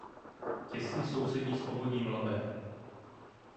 Těsně sousedí s Povodím Labe.